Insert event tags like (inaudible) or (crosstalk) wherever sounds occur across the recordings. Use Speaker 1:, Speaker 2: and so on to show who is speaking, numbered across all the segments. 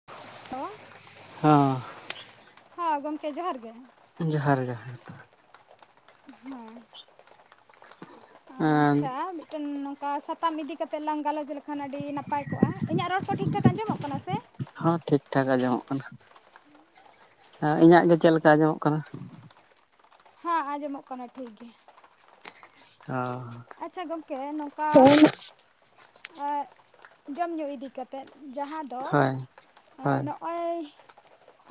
Speaker 1: (unintelligible)
Speaker 2: ᱦᱟᱸ᱾
Speaker 1: ᱦᱚ ᱜᱚᱝᱠᱮ ᱡᱚᱦᱟᱨ ᱜᱮ᱾
Speaker 2: ᱡᱚᱦᱟᱨ ᱡᱚᱦᱟᱨ ᱾
Speaker 1: ᱦᱮᱸ ᱟᱪᱪᱷᱟ ᱢᱤᱜᱴᱮᱱ ᱱᱚᱝᱠᱟ ᱥᱟᱛᱟᱢ ᱤᱫᱤ ᱠᱟᱛᱮᱜ ᱞᱟᱝ ᱜᱟᱞᱚᱪ ᱞᱮᱠᱷᱟᱱ ᱟᱹᱰᱤ ᱱᱟᱯᱟᱭ ᱠᱚᱜᱼᱟ, ᱤᱧᱟᱹᱜ ᱨᱚᱲ ᱠᱚ ᱴᱷᱤᱠ ᱴᱷᱟᱠ ᱟᱸᱡᱚᱢᱚᱜ ᱠᱟᱱᱟ ᱥᱮ?
Speaker 2: ᱦᱮᱸ ᱴᱷᱤᱠ ᱴᱷᱟᱠ ᱟᱸᱡᱚᱢᱚᱜ ᱠᱟᱱᱟ, ᱤᱧᱟᱹᱜ ᱜᱮ ᱪᱮᱫ ᱞᱮᱠᱟ ᱟᱸᱡᱚᱢᱚᱜ ᱠᱟᱱᱟ?
Speaker 1: ᱦᱟᱸ ᱟᱸᱡᱚᱢᱚᱜ ᱠᱟᱱᱟ ᱴᱷᱤᱠ ᱜᱮ᱾
Speaker 2: ᱚ
Speaker 1: ᱟᱪᱷᱟ ᱜᱚᱝᱠᱮ ᱱᱚᱝᱠᱟ ᱟᱸ ᱡᱚᱢ ᱧᱩ ᱤᱫᱤ ᱠᱟᱛᱮᱫ ᱡᱟᱦᱟᱸ ᱫᱚ
Speaker 2: ᱦᱳᱭ ᱦᱳᱭ
Speaker 1: ᱱᱚ ᱚᱸᱭ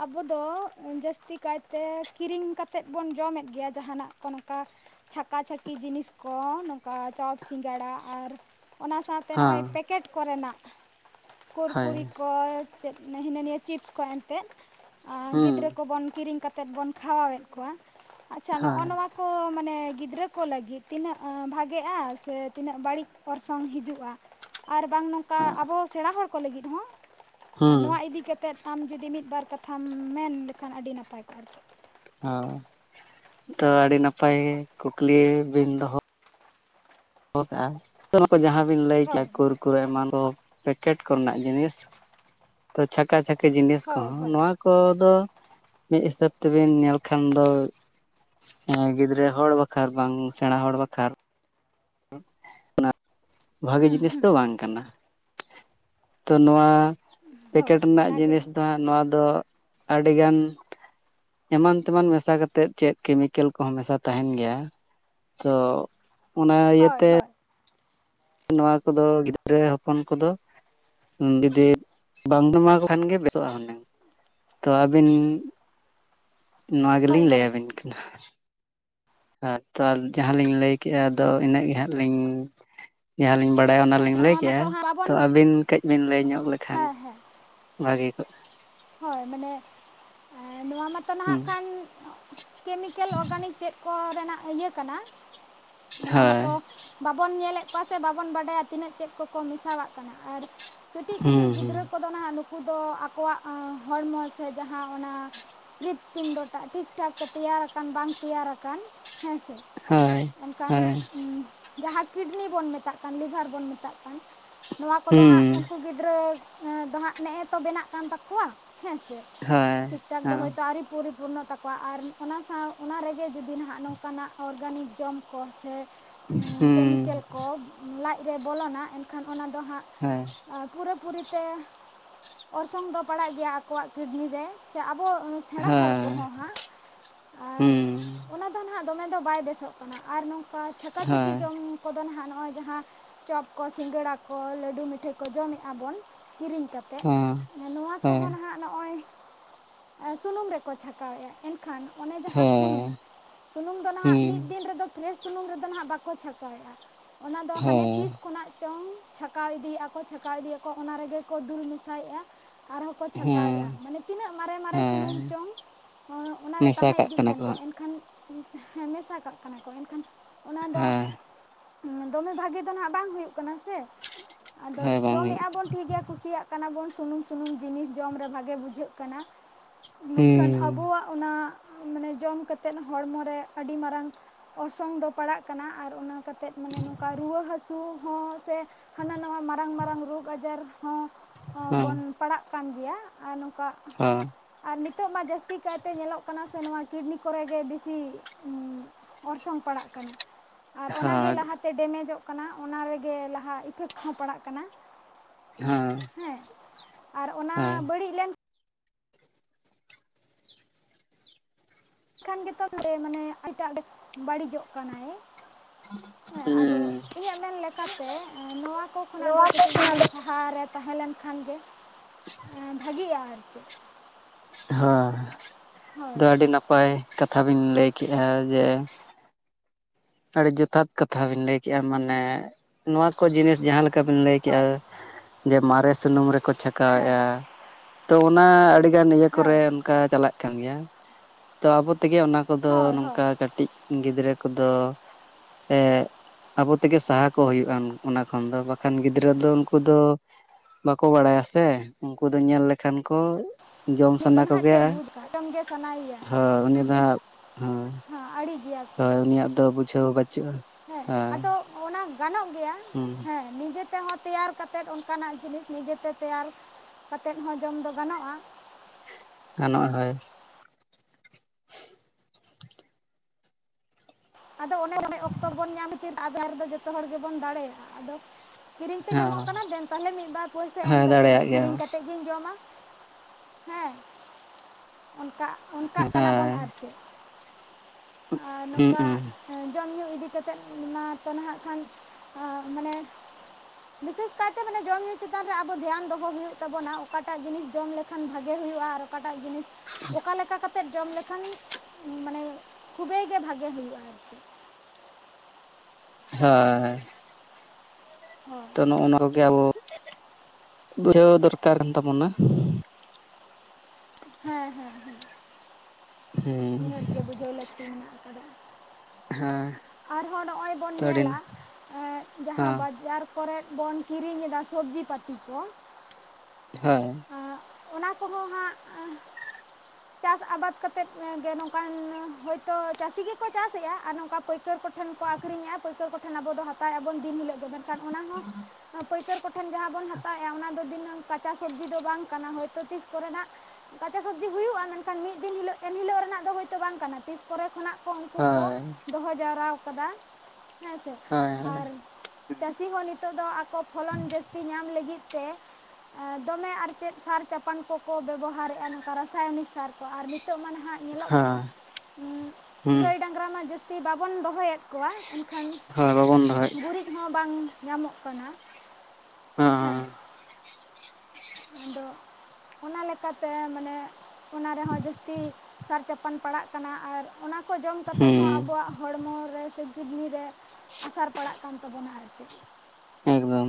Speaker 1: ᱟᱵᱚ ᱫᱚ ᱡᱟᱥᱛᱤ ᱠᱟᱭᱛᱮ ᱠᱤᱨᱤᱧ ᱠᱟᱛᱮᱫ ᱵᱚᱱ ᱡᱚᱢᱮᱫ ᱜᱮᱭᱟ ᱡᱟᱦᱟᱱᱟᱜ ᱠᱚ ᱱᱚᱝᱠᱟ ᱪᱷᱟᱠᱟ ᱪᱷᱟᱠᱤ ᱡᱤᱱᱤᱥ ᱠᱚ ᱱᱚᱝᱠᱟ ᱪᱟᱯ ᱥᱤᱸᱜᱟᱹᱲᱟ ᱟᱨ ᱚᱱᱟ ᱛᱮ ᱱᱚᱜᱼᱚᱭ
Speaker 2: ᱦᱚᱸ
Speaker 1: ᱯᱮᱠᱮᱴ ᱠᱚᱨᱮᱱᱟᱜ
Speaker 2: ᱦᱳᱭ
Speaker 1: ᱠᱩᱨᱠᱩᱨᱤ ᱠᱚ ᱪᱮᱫ ᱱᱮ ᱦᱤᱱᱟᱹ ᱱᱤᱭᱟᱹ ᱪᱤᱯᱥ ᱠᱚ ᱮᱱᱛᱮᱫ, ᱟᱸ
Speaker 2: ᱦᱩᱸ
Speaker 1: ᱜᱤᱫᱽᱨᱟᱹ ᱠᱚᱵᱚᱱ ᱠᱤᱨᱤᱧ ᱠᱟᱛ ᱛᱮᱫ ᱵᱚᱱ ᱠᱷᱟᱣᱟᱣᱮᱫ ᱠᱚᱣᱟ ᱟᱪᱷᱟ ᱱᱚᱜᱼᱚ ᱱᱚᱣᱟ ᱠᱚ ᱢᱟᱱᱮ ᱜᱤᱫᱽᱨᱟᱹ ᱠᱚ ᱞᱟᱹᱜᱤᱫ ᱛᱤᱱᱟᱹᱜ ᱵᱷᱟᱜᱮᱜᱼᱟ ᱥᱮ ᱛᱤᱱᱟᱹᱜ ᱵᱟᱹᱲᱤᱡ ᱚᱨᱥᱚᱝ ᱦᱤᱡᱩᱜᱼᱟ? ᱟᱨ ᱵᱟᱝ ᱱᱚᱝᱠᱟ
Speaker 2: ᱦᱳᱭ
Speaker 1: ᱟᱵᱚ ᱥᱮᱬᱟ ᱦᱚᱲ ᱠᱚ ᱞᱟᱹᱜᱤᱫ ᱦᱚᱸ ᱱᱚᱣᱟ
Speaker 2: ᱦᱩᱸ
Speaker 1: ᱤᱫᱤ ᱠᱟᱛ ᱛᱮᱫᱽ ᱟᱢ ᱡᱩᱫᱤ ᱢᱤᱫᱽ ᱵᱟᱨ ᱠᱟᱛᱷᱟᱢ ᱢᱮᱱ ᱞᱮᱠᱷᱟᱱ ᱟᱹᱰᱤ ᱱᱟᱯᱟᱭ ᱠᱚᱜᱼᱟ ᱟᱨ ᱪᱮᱫ᱾
Speaker 2: ᱦᱮᱸ ᱛᱚ ᱟᱹᱰᱤ ᱱᱟᱯᱟᱭ ᱠᱩᱠᱞᱤ ᱵᱤᱱ ᱫᱚᱦᱚ ᱠᱟᱜᱼᱟ ᱛᱚ ᱚᱱᱟ ᱠᱚ ᱡᱟᱦᱟᱸ ᱵᱤᱱ ᱞᱟᱹᱭ
Speaker 1: ᱦᱳᱭ
Speaker 2: ᱠᱮᱜᱭᱟ
Speaker 1: ᱦᱳᱭ
Speaker 2: ᱠᱩᱨ ᱠᱩᱨ ᱮᱢᱟᱱ ᱠᱚ ᱯᱮᱠᱮᱴ ᱠᱚᱨᱮᱱᱟᱜ ᱡᱤᱱᱤᱥ, ᱛᱚ ᱪᱷᱟᱠᱟ ᱪᱷᱟᱠᱤ ᱡᱤᱱᱤᱥ
Speaker 1: ᱦᱳᱭ
Speaker 2: ᱠᱚᱦᱚᱸ
Speaker 1: ᱦᱳᱭ
Speaker 2: ᱱᱚᱣᱟ ᱠᱚᱫᱚ ᱢᱤᱫ ᱦᱤᱥᱟᱹᱵᱽ ᱛᱮᱵᱤᱱ ᱧᱮᱞ ᱠᱷᱟᱱ ᱫᱚ ᱜᱤᱫᱽᱨᱟᱹ ᱦᱚᱲ ᱵᱟᱠᱷᱨᱟ ᱵᱟᱝ ᱥᱮᱬᱟ ᱦᱚᱲ ᱵᱟᱠᱷᱨ ᱚᱱᱟ ᱵᱷᱟᱜᱤ ᱡᱤᱱᱤᱥ ᱫᱚ ᱵᱟᱝ ᱠᱟᱱᱟ᱾ ᱛᱚ ᱱᱚᱣᱟ
Speaker 1: ᱦᱳᱭ
Speaker 2: ᱯᱮᱠᱮᱴ ᱨᱮᱱᱟᱜ
Speaker 1: ᱚᱱᱟᱜᱮ
Speaker 2: ᱡᱤᱱᱤᱥ ᱱᱚᱣᱟ ᱱᱚᱣᱟ ᱫᱚ ᱟᱹᱰᱤ ᱜᱟᱱ ᱮᱢᱟᱱ ᱛᱮᱢᱟᱱ ᱢᱮᱥᱟ ᱠᱟᱛᱮᱫ ᱪᱮᱫ ᱠᱮᱢᱤᱠᱮᱞ ᱠᱚᱦᱚᱸ ᱢᱮᱥᱟ ᱛᱟᱦᱮᱱ ᱜᱮᱭᱟ ᱛᱚ ᱚᱱᱟ
Speaker 1: ᱦᱳᱭ
Speaker 2: ᱤᱭᱟᱹᱛᱮ
Speaker 1: ᱦᱳᱭ
Speaker 2: ᱱᱚᱣᱟ ᱠᱚᱫᱚ ᱜᱤᱫᱽᱨᱟᱹ ᱦᱚᱯᱚᱱ ᱠᱚᱫᱚ ᱡᱩᱫᱤ ᱵᱟᱝᱵᱤᱱ ᱮᱢᱟ ᱠᱚ ᱠᱷᱟᱱ ᱜᱮ ᱵᱮᱥᱚᱜᱼᱟ ᱦᱩᱱᱟᱹᱝ ᱛᱚ ᱟᱹᱵᱤᱱ ᱱᱚᱣᱟ
Speaker 1: ᱦᱳᱭ
Speaker 2: ᱜᱮᱞᱤᱧ
Speaker 1: ᱦᱳᱭ
Speaker 2: ᱞᱟᱹᱭᱟᱵᱤᱱ ᱠᱟᱱᱟ᱾ ᱟᱨ ᱛᱚ ᱡᱟᱦᱟᱸᱞᱤᱧ ᱞᱟᱹᱭ ᱠᱮᱜᱼᱟ ᱟᱫᱚ ᱤᱱᱟᱹᱜ ᱜᱮ ᱦᱟᱸᱜ ᱞᱤᱧ ᱡᱟᱦᱟᱸᱞᱤᱧ ᱵᱟᱰ ᱦᱮ
Speaker 1: ᱦᱮᱸ
Speaker 2: ᱚᱱᱟᱞᱤᱧ ᱞᱟᱹᱭ
Speaker 1: ᱱᱚᱣᱟ
Speaker 2: ᱠᱮᱜᱼᱟ,
Speaker 1: ᱢᱟᱛᱚ ᱦᱟᱸᱜ
Speaker 2: ᱛᱚ
Speaker 1: ᱵᱟᱵᱚᱱ
Speaker 2: ᱟᱹᱵᱤᱱ ᱠᱟᱹᱡ ᱵᱤᱱ ᱞᱟᱹᱭ ᱧᱚᱜ ᱞᱮᱠᱷᱟᱱ
Speaker 1: ᱦᱮᱸ
Speaker 2: ᱵᱷᱟᱹᱜᱤ ᱠᱚᱜᱼᱟ᱾
Speaker 1: ᱦᱚᱭ ᱢᱟᱱᱮ ᱱᱚᱣᱟ ᱢᱟᱛᱚ
Speaker 2: ᱦᱩᱸ
Speaker 1: ᱱᱟᱦᱟᱜ ᱠᱷᱟᱱ ᱠᱮᱢᱤᱠᱮᱞ ᱚᱨᱜᱟᱱᱤᱠ ᱪᱮᱫ ᱠᱚᱨᱮᱱᱟᱜ ᱤᱭᱟᱹ ᱠᱟᱱᱟ, ᱚᱱᱟ
Speaker 2: ᱦᱳᱭ
Speaker 1: ᱢᱟᱛᱚ ᱵᱟᱵᱚᱱ ᱧᱮᱞᱮᱫ ᱠᱚᱣᱟ ᱥᱮ ᱵᱟᱵᱚᱱ ᱵᱟᱰᱟᱭᱟ ᱛᱤᱱᱟᱹᱜ ᱪᱮᱫ ᱠᱚᱠᱚ ᱢᱮᱥᱟᱣᱟᱜ ᱠᱟᱱᱟ, ᱟᱨ ᱠᱟᱹᱴᱤᱡᱼᱠᱟᱹᱴᱤᱡ
Speaker 2: ᱦᱩᱸ ᱦᱩᱸ
Speaker 1: ᱜᱤᱫᱽᱨᱟᱹ ᱠᱚᱫᱚ ᱱᱟᱦᱟᱜ ᱱᱩᱠᱩ ᱫᱚ ᱟᱠᱚᱣᱟᱜ ᱦᱚᱲᱢᱚ ᱥᱮ ᱡᱟᱦᱟᱸ ᱚᱱᱟ ᱦᱨᱤᱛ ᱯᱤᱱᱰᱚ ᱴᱟᱜ ᱴᱷᱤᱠ ᱴᱷᱟᱠ ᱛᱮᱭᱟᱨ ᱟᱠᱟᱱ ᱵᱟᱝ ᱛᱮᱭᱟᱨᱟᱠᱟᱱ᱾ ᱦᱮᱸ ᱥᱮ
Speaker 2: ᱦᱳᱭ
Speaker 1: ᱮᱱᱠᱦᱟᱱ
Speaker 2: ᱦᱳᱭ
Speaker 1: ᱩᱸ ᱡᱟᱦᱟᱸ ᱠᱤᱰᱱᱤ ᱵᱚᱱ ᱢᱮᱛᱟᱜ ᱠᱟᱱ ᱞᱤᱵᱷᱟᱨ ᱵᱚᱱ ᱢᱮᱛᱟᱜ ᱠᱟᱱ ᱱᱚᱣᱟ ᱠᱚᱫᱚ
Speaker 2: ᱦᱩᱸ
Speaker 1: ᱦᱟᱸᱜ ᱩᱱᱠᱩ ᱜᱤᱫᱽᱨᱟᱹ ᱚᱸ ᱫᱚᱦᱟᱸᱜ ᱱᱮᱜᱼᱮ ᱛᱚ ᱵᱮᱱᱟᱜ ᱠᱟᱱ ᱛᱟᱠᱚᱣᱟ᱾ ᱦᱮᱸ ᱥᱮ
Speaker 2: ᱦᱳᱭ
Speaker 1: ᱴᱷᱤᱠ ᱴᱷᱟᱠ ᱫᱚ
Speaker 2: ᱦᱚᱸ
Speaker 1: ᱦᱳᱭᱛᱳ ᱟᱨᱣᱨᱤ ᱯᱩᱨ ᱨᱩᱱᱚᱜ ᱛᱟᱠᱚᱣᱟ ᱟᱨ ᱚᱱᱟ ᱥᱟᱶ ᱚᱱᱟ ᱨᱮᱜᱮ ᱡᱩᱫᱤ ᱱᱟᱦᱟᱜ ᱱᱚᱝᱠᱟᱱᱟᱜ ᱚᱨᱜᱟᱱᱤᱠ ᱡᱚᱢ ᱠᱚ ᱥᱮ
Speaker 2: ᱦᱩᱸ
Speaker 1: ᱠᱮᱢᱤᱠᱮᱞ ᱠᱚ ᱞᱟᱡ ᱨᱮ ᱵᱚᱞᱚᱱᱟ ᱮᱱᱠᱷᱟᱱ ᱚᱱᱟ ᱫᱚ ᱦᱟᱸᱜ
Speaker 2: ᱦᱮᱸ
Speaker 1: ᱯᱩᱨᱟᱹ ᱯᱩᱨᱤ ᱛᱮ ᱚᱨᱥᱚᱝ ᱫᱚ ᱯᱟᱲᱟᱜ ᱜᱮᱭᱟ ᱟᱠᱚᱣᱟᱜ ᱠᱤᱰᱱᱤ ᱨᱮ᱾ ᱥᱮ ᱟᱵᱚ ᱥᱮᱬᱟ ᱦᱚᱲ
Speaker 2: ᱦᱮᱸ
Speaker 1: ᱠᱚᱦᱚᱸ ᱦᱟᱸᱜ ᱟᱨ
Speaker 2: ᱦᱩᱸ
Speaker 1: ᱚᱱᱟ ᱫᱚ ᱱᱟᱦᱟᱜ ᱫᱚᱢᱮ ᱫᱚ ᱵᱟᱭ ᱵᱮᱥᱚᱜ ᱠᱟᱱᱟ ᱟᱨ ᱱᱚᱝᱠᱟ ᱪᱷᱟᱠᱟᱼᱪᱷᱟᱹᱠᱤ
Speaker 2: ᱦᱮᱸ
Speaker 1: ᱡᱚᱢ ᱠᱚᱫᱚ ᱦᱟᱸᱜ ᱱᱚᱜᱼᱚᱭ ᱡᱟᱦᱟᱸ ᱪᱚᱯ ᱠᱚ ᱥᱤᱸᱜᱟᱲᱟ ᱠᱚ ᱞᱟᱹᱰᱩ ᱢᱤᱴᱷᱟᱹᱭ ᱠᱚ ᱡᱚᱢᱮᱜᱼᱟ ᱵᱚᱱ ᱠᱤᱨᱤᱧ ᱠᱟᱛᱮᱫ,
Speaker 2: ᱦᱮᱸ
Speaker 1: ᱱᱚᱣᱟ
Speaker 2: ᱦᱮᱸ
Speaker 1: ᱦᱟᱹᱜ ᱱᱚᱜᱼᱚᱭ ᱥᱩᱱᱩᱢ ᱨᱮᱠᱚ ᱪᱷᱟᱠᱟᱣᱮᱜᱼᱟ, ᱮᱱ ᱠᱷᱟᱱ ᱚᱱᱮ ᱡᱟᱦᱟᱸ ᱥᱩᱱᱩᱢ,
Speaker 2: ᱦᱮᱸ
Speaker 1: ᱥᱩᱱᱩᱢ ᱫᱚ ᱱᱟᱦᱟᱜ ᱢᱤᱫ ᱫᱤᱱ ᱨᱮᱫᱚ ᱯᱷᱨᱮᱥ ᱥᱩᱱᱩᱢ ᱨᱮᱫᱚ ᱱᱟᱦᱟᱜ ᱵᱟᱠᱚ ᱪᱷᱟᱠᱟᱣᱮᱜᱼᱟ, ᱚᱱᱟᱫᱚ ᱦᱟᱱᱮ
Speaker 2: ᱦᱩᱸ ᱦᱮᱸ
Speaker 1: ᱛᱤᱥ ᱠᱷᱚᱱᱟᱜ ᱪᱚᱝ ᱪᱷᱟᱠᱟᱣ ᱤᱫᱤᱭᱮᱜᱼᱟ ᱠᱚ ᱪᱷᱟᱠᱟᱣ ᱤᱫᱤᱭᱮᱜᱼᱟ ᱠᱚ ᱚᱱᱟ ᱨᱮᱜᱮ ᱠᱚ ᱫᱩᱞ ᱢᱮᱥᱟᱭᱮᱜᱼᱟ᱾ ᱟᱨᱦᱚᱸ ᱠᱚ ᱪᱷᱟᱸᱠᱟᱣᱮᱜᱼᱟ,
Speaker 2: ᱦᱮᱸ
Speaker 1: ᱢᱟᱱᱮ ᱛᱤᱱᱟᱹᱜ ᱢᱟᱨᱮᱼᱢᱟᱨᱮ
Speaker 2: ᱦᱮᱸ
Speaker 1: ᱥᱩᱱᱩᱢ ᱪᱚᱝ᱾ ᱚᱸ ᱚᱱᱟᱨᱮ
Speaker 2: ᱢᱮᱥᱟ
Speaker 1: ᱛᱟᱦᱮᱸ
Speaker 2: ᱠᱟᱜ
Speaker 1: ᱤᱫᱤᱜ
Speaker 2: ᱠᱟᱱᱟ
Speaker 1: ᱠᱟᱱ
Speaker 2: ᱠᱚ
Speaker 1: ᱜᱮᱭᱟ,
Speaker 2: ᱦᱟᱸᱜ
Speaker 1: ᱮᱱᱠᱷᱟᱱ ᱦᱮᱸ ᱢᱮᱥᱟ ᱠᱟᱜ ᱠᱟᱱᱟ ᱠᱚ ᱮᱱᱠᱷᱟᱱ ᱚᱱᱟ ᱫᱚ
Speaker 2: ᱦᱮᱸ
Speaker 1: ᱫᱚᱢᱮ ᱵᱷᱟᱜᱤ ᱫᱚ ᱱᱟᱦᱟᱜ ᱵᱟᱝ ᱦᱩᱭᱩᱜ ᱠᱟᱱᱟ ᱥᱮ ᱟᱫᱚ
Speaker 2: ᱦᱮᱸ ᱵᱟᱝ ᱦᱩᱭᱩᱜ
Speaker 1: ᱡᱚᱢᱮᱜᱼᱟ ᱵᱚᱱ ᱴᱷᱤᱠ ᱜᱮᱭᱟ ᱠᱩᱥᱤᱭᱟᱜ ᱠᱟᱱᱟ ᱵᱚᱱ ᱥᱩᱱᱩᱢᱼᱥᱩᱱᱩᱢ ᱡᱤᱱᱤᱥ ᱡᱚᱢ ᱨᱮ ᱵᱷᱟᱜᱮ ᱵᱩᱡᱷᱟᱹᱜ ᱠᱟᱱᱟ᱾ ᱢᱮᱱᱠᱷᱟᱱ
Speaker 2: ᱦᱩᱸ
Speaker 1: ᱟᱵᱚᱣᱟᱜ ᱚᱱᱟ ᱢᱟᱱᱮ ᱡᱚᱢ ᱠᱟᱛᱮᱫ ᱦᱚᱲᱢᱚᱨᱮ ᱟᱹᱰᱤ ᱢᱟᱨᱟᱝ ᱚᱨᱥᱚᱝ ᱫᱚ ᱯᱟᱲᱟᱜ ᱠᱟᱱᱟ ᱟᱨ ᱚᱱᱟᱛᱮᱫ ᱢᱟᱱᱮ ᱱᱚᱝᱠᱟ ᱨᱩᱣᱟᱹ ᱦᱟᱹᱥᱩ ᱦᱚᱸ ᱥᱮ ᱦᱟᱱᱟ ᱱᱟᱣᱟ ᱢᱟᱨᱟᱝᱼᱢᱟᱨᱟᱝ ᱨᱳᱜᱽ ᱟᱡᱟᱨ ᱦᱚᱸ
Speaker 2: ᱦᱮᱸ
Speaker 1: ᱵᱚᱱ ᱯᱟᱲᱟᱜ ᱠᱟᱱ ᱜᱮᱭᱟ ᱟᱨ ᱱᱚᱝᱠᱟ
Speaker 2: ᱦᱮᱸ
Speaker 1: ᱟᱨ ᱱᱤᱛᱚᱜ ᱢᱟ ᱡᱟᱹᱥᱛᱤ ᱠᱟᱭᱛᱮ ᱧᱮᱞᱚᱜ ᱠᱟᱱᱟ ᱥᱮ ᱱᱚᱣᱟ ᱠᱤᱰᱱᱤ ᱠᱚᱨᱮᱜᱮ ᱵᱤᱥᱤ ᱩᱸ ᱚᱨᱥᱚᱝ ᱯᱟᱲᱟᱜ ᱠᱟᱱᱟ᱾ ᱟᱨ
Speaker 2: ᱦᱮᱸ
Speaker 1: ᱚᱱᱟᱜᱮ
Speaker 2: ᱦᱮᱸ
Speaker 1: ᱞᱟᱦᱟᱛᱮ ᱰᱮᱢᱮᱡᱚᱜ ᱠᱟᱱᱟ ᱚᱱᱟ ᱨᱮᱜᱮ ᱞᱟᱦᱟ ᱤᱯᱷᱮᱠᱴ ᱦᱚᱸ ᱯᱟᱲᱟᱜ ᱠᱟᱱᱟ᱾
Speaker 2: ᱦᱩᱸ
Speaker 1: ᱦᱮᱸ ᱟᱨ ᱚᱱᱟ ᱵᱟᱹᱲᱤᱡ ᱞᱮᱱ ᱠᱷᱟᱱ ᱜᱮᱛᱚ ᱢᱟᱱᱮ ᱮᱴᱟᱜ ᱜᱮ ᱵᱟᱹᱲᱤᱡᱚᱜ ᱠᱟᱱᱟᱭ᱾ ᱦᱮᱸ
Speaker 2: ᱦᱩᱸ
Speaker 1: ᱟᱫᱚ ᱤᱧᱟᱹᱜ ᱢᱮᱱ ᱞᱮᱠᱟᱛᱮ ᱱᱚᱣᱟ ᱠᱚ ᱠᱷᱚᱱᱟᱜ ᱫᱚ ᱠᱟᱹᱴᱤᱡ ᱢᱟᱱᱮ ᱥᱟᱦᱟ ᱦᱟᱨᱮ ᱛᱟᱦᱮᱸ ᱞᱮᱱ ᱠᱷᱟᱱ ᱜᱮ ᱮᱸ ᱵᱷᱟᱹᱜᱤᱜᱼᱟ ᱟᱨ ᱪᱮᱫ?
Speaker 2: ᱦᱮᱸ
Speaker 1: ᱦᱳᱭ
Speaker 2: ᱟᱫᱚ ᱟᱹᱰᱤ ᱱᱟᱯᱟᱭ ᱠᱟᱛᱷᱟ ᱵᱤᱱ ᱞᱟᱹᱭ ᱠᱮᱜᱼᱟ ᱡᱮ ᱟᱹᱰᱤ ᱡᱚᱛᱷᱟᱛ ᱠᱟᱛᱷᱟ ᱵᱤᱱ ᱞᱟᱹᱭᱠᱮᱜᱼᱟ ᱢᱟᱱᱮ ᱱᱚᱣᱟᱠᱚ ᱡᱤᱱᱤᱥ ᱡᱟᱦᱟᱸᱞᱮᱠᱟ ᱵᱤᱱ ᱞᱟᱹᱭᱠᱮᱜᱼᱟ᱾
Speaker 1: ᱦᱳᱭ
Speaker 2: ᱡᱮ ᱢᱟᱨᱮ ᱥᱩᱱᱩᱢ ᱨᱮᱠᱚ
Speaker 1: ᱦᱮᱸ
Speaker 2: ᱪᱷᱟᱠᱟᱣᱮᱜ-ᱟ ᱛᱚ ᱚᱱᱟ ᱟᱹᱰᱤ ᱜᱟᱱ ᱤᱭᱟᱹ ᱠᱚᱨᱮ
Speaker 1: ᱦᱳᱭ
Speaker 2: ᱚᱱᱠᱟ ᱪᱟᱞᱟᱜ ᱠᱟᱱ ᱜᱮᱭᱟ, ᱛᱚ ᱟᱵᱚ ᱛᱮᱜᱮ ᱚᱱᱟ ᱠᱚᱫᱚ
Speaker 1: ᱦᱳᱭ ᱦᱳᱭ
Speaker 2: ᱱᱚᱝᱠᱟ ᱠᱟᱹᱴᱤᱡ ᱜᱤᱫᱽᱨᱟᱹ ᱠᱚᱫᱚ ᱮ ᱟᱵᱚ ᱛᱮᱜᱮ ᱥᱟᱦᱟ ᱠᱚ ᱦᱩᱭᱩᱜ-ᱟ ᱚᱱᱟ ᱠᱷᱚᱱ ᱫᱚ ᱵᱟ ᱠᱷᱟᱱ ᱜᱤᱫᱽᱨᱟᱹ ᱫᱚ ᱩᱱᱠᱩ ᱫᱚ ᱵᱟᱠᱚ ᱵᱟᱲᱟᱭᱟ ᱥᱮ ᱩᱱᱠᱩ ᱫᱚ ᱧᱮᱞ ᱞᱮᱠᱷᱟᱱ ᱠᱚ ᱡᱚᱢ
Speaker 1: ᱩᱱᱤ ᱫᱚ
Speaker 2: ᱥᱟᱱᱟ
Speaker 1: ᱱᱟᱦᱟᱜ
Speaker 2: ᱠᱚᱜᱮᱭᱟ
Speaker 1: ᱪᱮᱫ
Speaker 2: ᱾
Speaker 1: ᱵᱩᱡᱽ ᱠᱟᱜ ᱡᱚᱢ ᱜᱮ ᱥᱟᱱᱟᱭᱮᱭᱟ
Speaker 2: (inaudible) ᱦᱳᱭ ᱩᱱᱤ ᱫᱚ ᱦᱟᱸᱜ ᱦᱳᱭ,
Speaker 1: ᱦᱮᱸ ᱟᱹᱲᱤ ᱜᱮᱭᱟ ᱠᱚ
Speaker 2: ᱦᱳᱭ ᱩᱱᱤᱭᱟᱜ ᱫᱚ ᱵᱩᱡᱷᱟᱹᱣ ᱵᱟᱹᱪᱩᱜ-ᱟ᱾
Speaker 1: ᱦᱮᱸ ᱟᱫᱚ ᱚᱱᱟ ᱜᱟᱱᱚᱜ ᱜᱮᱭᱟ
Speaker 2: ᱦᱩᱸ
Speaker 1: ᱦᱮᱸ ᱾ ᱱᱤᱡᱮ ᱛᱮᱦᱚᱸ ᱛᱮᱭᱟᱨ ᱠᱟᱛᱮᱫ ᱚᱱᱠᱟᱱᱟᱜ ᱡᱤᱱᱤᱥ ᱱᱤᱡᱮᱛᱮ ᱛᱮᱭᱟᱨ ᱠᱟᱛᱮᱫ ᱦᱚᱸ ᱡᱚᱢ ᱫᱚ ᱜᱟᱱᱚᱜ-ᱟ᱾
Speaker 2: ᱜᱟᱱᱚᱜ-ᱟ ᱦᱳᱭ ᱾
Speaker 1: ᱟᱫᱚ ᱚᱱᱮ ᱚᱠᱛᱚ ᱵᱚᱱ ᱧᱟᱸᱢ ᱛᱤᱨ (unintelligible) ᱡᱚᱛᱚ ᱦᱚᱲ ᱜᱮ ᱵᱚᱱ ᱫᱟᱲᱮᱭᱟᱜ-ᱟ ᱾ ᱟᱫᱚ ᱠᱤᱨᱤᱧ ᱛᱮ ᱧᱟᱸᱢᱚᱜ ᱠᱟᱱᱟ ᱫᱮᱱ ᱛᱟᱦᱞᱮ ᱢᱤᱫ-ᱵᱟᱨ ᱯᱚᱭᱥᱟ ᱮᱢ
Speaker 2: ᱦᱳᱭ
Speaker 1: ᱠᱟᱛᱮᱫ ᱜᱮ
Speaker 2: ᱫᱟᱲᱮᱭᱟᱜ ᱜᱮᱭᱟ
Speaker 1: ᱠᱤᱨᱤᱧ ᱠᱟᱛᱮᱜ ᱜᱤᱸᱧ ᱡᱚᱢᱟ (inaudible) ᱦᱮᱸ (inaudible) ᱚᱱᱠᱟ ᱚᱱᱠᱟᱜ ᱠᱟᱱᱟ ᱵᱚᱱ
Speaker 2: ᱦᱳᱭ
Speaker 1: ᱟᱨ ᱪᱮᱜ (inaudible) ᱟᱨ
Speaker 2: ᱦᱩᱸ
Speaker 1: ᱱᱚᱝᱠᱟ
Speaker 2: ᱦᱩᱸ
Speaker 1: ᱡᱚᱢ ᱧᱩ ᱤᱫᱤ ᱠᱟᱛᱮᱫ ᱚᱱᱟ ᱛᱚ ᱱᱟᱦᱟᱸᱜ ᱠᱷᱟᱱ ᱢᱟᱱᱮ ᱵᱤᱥᱮᱥ ᱠᱟᱭᱛᱮ ᱢᱟᱱᱮ ᱡᱚᱢ-ᱧᱩ ᱪᱮᱛᱟᱱ ᱨᱮ ᱟᱵᱚ ᱫᱷᱮᱭᱟᱱ ᱫᱚ ᱦᱚᱸ ᱦᱩᱭᱩᱜ ᱛᱟᱵᱚᱱᱟ ᱚᱠᱟᱴᱟᱜ ᱡᱤᱱᱤᱥ ᱡᱚᱢᱞᱮᱠ ᱠᱷᱟᱱ ᱵᱷᱟᱜᱮ ᱦᱩᱭᱩᱜ-ᱟ ᱟᱨᱚ ᱾ ᱚᱠᱟᱴᱟᱜ ᱡᱤᱱᱤᱥ ᱚᱠᱟ ᱞᱮᱠᱟ ᱠᱟᱛᱮᱜ ᱡᱚᱢ ᱞᱮᱠᱷᱟᱱ ᱢᱟᱱᱮ ᱠᱷᱩᱵᱮᱭ ᱜᱮ ᱵᱷᱟᱜᱤ ᱜᱮ ᱦᱩᱭᱩᱜ-ᱟ ᱟᱨ ᱪᱮᱫ᱾
Speaker 2: ᱦᱟᱸ ᱦᱮᱸ ᱾
Speaker 1: ᱦᱳᱭ
Speaker 2: ᱛᱚ ᱱᱚᱜ-ᱚ ᱱᱚᱣᱟ ᱠᱚ ᱜᱮ ᱟᱵᱚ (inaudible) ᱵᱩᱡᱷᱟᱹᱣ ᱫᱚᱨᱠᱟᱨ ᱠᱟᱱ ᱛᱟᱵᱚᱱᱟ᱾
Speaker 1: ᱦᱮᱸ ᱦᱮᱸ ᱦᱮᱸ᱾
Speaker 2: ᱦᱩᱸ
Speaker 1: ᱱᱤᱦᱟᱹᱛ ᱜᱮ ᱵᱩᱡᱷᱟᱹᱣ ᱞᱟᱹᱠᱛᱤ ᱢᱮᱱᱟᱜ ᱟᱠᱟᱫᱟ᱾
Speaker 2: ᱦᱮᱸ ᱾
Speaker 1: ᱟᱨᱦᱚᱸ ᱱᱚᱜ-ᱚᱭ ᱵᱚᱱ ᱧᱮᱞᱟ ᱮᱸᱜ ᱡᱟᱦᱟᱸ
Speaker 2: ᱦᱮᱸ
Speaker 1: ᱵᱟᱡᱟᱨ ᱠᱚ ᱨᱮᱫᱚ ᱵᱚᱱ ᱠᱤᱨᱤᱧ ᱮᱫᱟ ᱥᱚᱵᱽᱡᱤ ᱯᱟᱹᱛᱤ ᱠᱚ
Speaker 2: ᱦᱮᱸ᱾
Speaker 1: ᱟᱸᱜ ᱚᱱᱟ ᱠᱚ ᱦᱚᱸ ᱦᱟᱸᱜ ᱪᱟᱥ ᱟᱵᱟᱫ ᱠᱟᱛᱮᱫ ᱜᱮ ᱱᱚᱝᱠᱟᱱ ᱦᱳᱭᱛᱳ ᱪᱟᱹᱥᱤ ᱜᱮᱠᱚ ᱪᱟᱥᱮᱜ-ᱟ ᱟᱨ ᱱᱚᱝᱠᱟ ᱯᱟᱹᱭ ᱠᱟᱹᱨ ᱠᱚᱴᱷᱮᱱ ᱠᱚ ᱟᱠᱷᱨᱤᱧᱮᱜ-ᱟ ᱯᱟᱹᱭᱠᱟᱹᱨ ᱠᱚᱴᱷᱮᱱ ᱟᱵᱚ ᱫᱚ ᱦᱟᱛᱟᱣᱮᱜ ᱟᱵᱚᱱ ᱫᱤᱱ ᱦᱤᱞᱳᱜ ᱜᱮ ᱾ ᱠᱷᱟᱱ ᱚᱱᱟ ᱦᱚᱸ ᱯᱟᱹᱭᱠᱟᱹᱨ ᱠᱚᱴᱷᱮᱱ ᱡᱟᱦᱟᱸ ᱵᱚᱱ ᱦᱟᱛᱟᱣᱮᱜ-ᱟ ᱚᱱᱟ ᱫᱚ ᱫᱤᱱᱟᱹᱢ ᱠᱟᱪᱟ ᱥᱚᱵᱽᱡᱤ ᱫᱚ ᱵᱟᱝ ᱠᱟᱱᱟ ᱦᱳᱭᱛᱳ ᱛᱤᱥ ᱠᱚᱨᱮᱱᱟᱜ ᱠᱟᱸᱪᱟ ᱥᱚᱵᱽᱡᱤ ᱦᱩᱭᱩᱜ-ᱟ ᱢᱮᱱᱠᱷᱟᱱ ᱢᱤᱫ ᱫᱤᱱ ᱦᱤᱞᱳᱜ ᱮᱱ ᱦᱤᱞᱳᱜ ᱨᱮᱱᱟᱜ ᱫᱚ ᱦᱳᱭᱛᱳ ᱵᱟᱝ ᱠᱟᱱᱟ ᱛᱤᱥ ᱠᱚᱨᱮ ᱠᱷᱚᱱᱟᱜ ᱠᱚ ᱩᱱᱠᱩ ᱠᱚ
Speaker 2: ᱦᱳᱭ
Speaker 1: ᱫᱚᱦᱚᱸ ᱡᱟᱣᱨᱟᱣ ᱠᱟᱫᱟ ᱾ ᱦᱮᱸ ᱥᱮ
Speaker 2: ᱦᱳᱭ
Speaker 1: ᱟᱨ ᱪᱟᱹᱥᱤ ᱦᱚᱸ ᱱᱤᱛᱚᱜ ᱫᱚ ᱟᱠᱚ ᱯᱷᱚᱞᱚᱱ ᱡᱟᱹᱥᱛᱤ ᱧᱟᱸᱢ ᱞᱟᱹᱜᱤᱫ ᱛᱮ ᱫᱚᱢᱮ ᱟᱨ ᱪᱮᱫ ᱥᱟᱨ ᱪᱟᱯᱟᱱ ᱠᱚ ᱠᱚ ᱵᱮᱵᱚᱦᱟᱨᱮᱜ-ᱟ ᱱᱚᱝᱠᱟ ᱨᱟᱥᱟᱭᱚᱱᱤᱠ ᱥᱟᱨ ᱠᱚ ᱾ ᱟᱨ ᱱᱤᱛᱚᱜ ᱢᱟ ᱱᱟᱦᱟᱜ ᱧᱮᱞᱚᱜ ᱠᱟᱱᱟ
Speaker 2: ᱦᱳᱭ
Speaker 1: ᱩᱸᱜ
Speaker 2: ᱦᱩᱸ
Speaker 1: ᱜᱟᱹᱭ ᱰᱟᱝᱨᱟ ᱢᱟ ᱡᱟᱹᱥ ᱛᱤ ᱵᱟᱵᱚᱱ ᱫᱚᱦᱚᱭᱮᱫ ᱠᱚᱣᱟ ᱮᱱᱠᱷᱟᱱ
Speaker 2: ᱦᱳᱭ ᱵᱟᱵᱚᱱ ᱫᱚᱦᱚᱭᱮᱫ
Speaker 1: (inaudible) ᱜᱩᱨᱤᱡ ᱦᱚᱸ ᱵᱟᱝ ᱧᱟᱢᱚᱜ ᱠᱟᱱᱟ, (inaudible) ᱦᱮᱸ᱾ ᱟᱫᱚ ᱚᱱᱟ ᱞᱮᱠᱟ ᱛᱮ ᱢᱟᱱᱮ ᱚᱱᱟ ᱨᱮ ᱦᱚᱸ ᱡᱟᱹᱥᱛᱤ ᱥᱟᱨ ᱪᱟᱯᱟᱱ ᱯᱟᱲᱟᱜ ᱠᱟᱱᱟ ᱟᱨ ᱚᱱᱟ ᱠᱚ ᱡᱚᱢ ᱠᱟᱛᱮᱜ ᱦᱚᱸ
Speaker 2: ᱦᱩᱸ
Speaker 1: ᱟᱵᱚᱣᱟᱜ ᱦᱚᱲᱢᱚ ᱨᱮ ᱠᱤᱰᱱᱤ ᱨᱮ ᱟᱥᱟᱨ ᱯᱟᱲᱟᱜ ᱠᱟᱱ ᱛᱟᱵᱚᱱᱟ ᱟᱨ ᱪᱮᱫ᱾
Speaker 2: ᱮᱠᱫᱚᱢ